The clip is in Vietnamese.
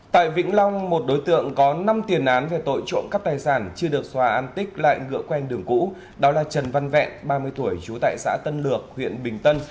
tại vĩnh long một đối tượng có năm tiền án về tội trộm cắp tài sản chưa được xóa an tích lại ngựa quen đường cũ đó là trần văn vẹn ba mươi tuổi trú tại xã tân lược huyện bình tân